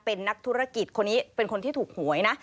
เป็นนักธุรกิจคนนี้เป็นคนที่ถูกหวยนะ